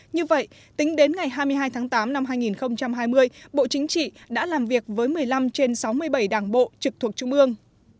như vậy tính đến ngày hai mươi hai tháng tám năm hai nghìn hai mươi bộ chính trị đã làm việc với một mươi năm trên sáu mươi bảy đảng bộ trực thuộc trung ương